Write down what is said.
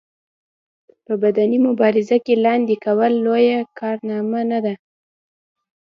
په بدني مبارزه کې لاندې کول لويه کارنامه نه ده.